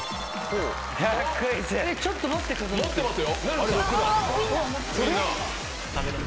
ちょっと待って風間君。